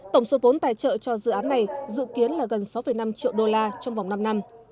tổng số vốn tài trợ cho dự án này dự kiến là gần sáu năm triệu đô la trong vòng năm năm